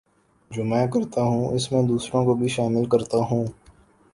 جو میں کرتا ہوں اس میں دوسروں کو بھی شامل کرتا ہوں